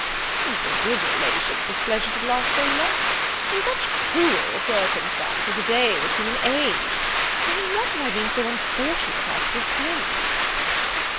"Heaven forbid your La'ship's displeasure should last so long! in such cruel circumstances, a day would seem an age. But in what have I been so unfortunate as to offend?"